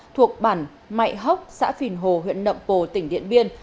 thuộc bản mạy hốc xã phìn hồ huyện nậm pồ tỉnh điện biên